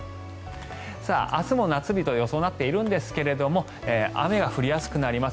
明日も夏日となっていますが雨が降りやすくなります。